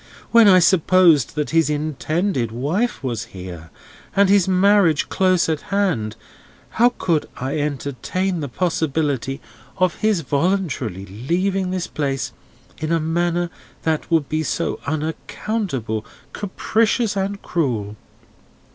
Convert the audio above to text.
When I supposed that his intended wife was here, and his marriage close at hand, how could I entertain the possibility of his voluntarily leaving this place, in a manner that would be so unaccountable, capricious, and cruel?